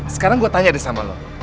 sekarang gue tanya deh sama lo